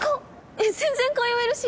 えっ全然通えるし。